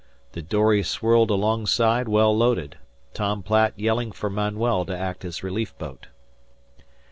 The dory swirled alongside well loaded, Tom Platt yelling for Manuel to act as relief boat.